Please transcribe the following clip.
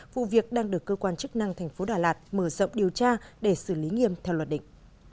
vụ việc đang được cơ quan chức năng thành phố đà lạt mở rộng điều tra để xử lý nghiêm theo luật định